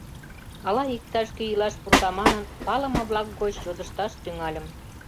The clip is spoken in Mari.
Ала иктаж-кӧ илаш пурта манын, палыме-влак гоч йодышташ тӱҥальым.